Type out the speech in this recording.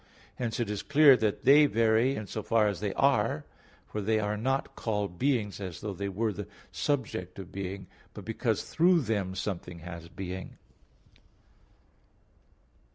Hence it is clear that they vary in so far as they are; for they are not called beings as though they were the subject of being, but because through them something has being.